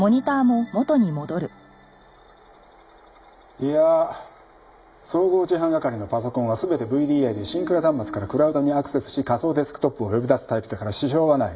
いや総合事犯係のパソコンは全てＶＤＩでシンクラ端末からクラウドにアクセスし仮想デスクトップを呼び出すタイプだから支障はない。